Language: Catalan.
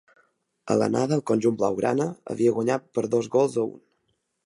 A l’anada el conjunt blaugrana havia guanyat per dos gols a un.